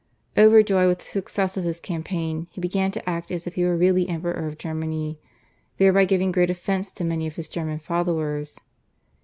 Over joyed with the success of his campaign he began to act as if he were really emperor of Germany, thereby giving great offence to many of his German followers.